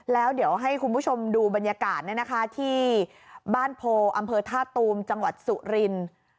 แล้วเดี๋ยวให้คุณผู้ชมดูบรรยากาศที่บ้านโพอำเภอท่าตูมจังหวัดสุรินทร์